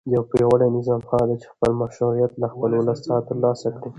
یو پیاوړی نظام هغه دی چې خپل مشروعیت له خپل ولس څخه ترلاسه کړي.